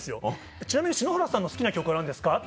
「ちなみに篠原さんの好きな曲は何ですか？」。